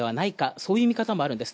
そういう見方もあるんです。